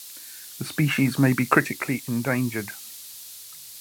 The species may be critically endangered.